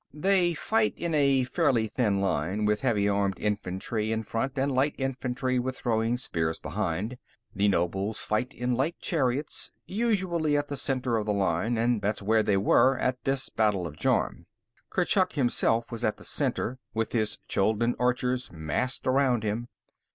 They fight in a fairly thin line, with heavy armed infantry in front and light infantry with throwing spears behind. The nobles fight in light chariots, usually at the center of the line, and that's where they were at this Battle of Jorm. Kurchuk himself was at the center, with his Chuldun archers massed around him.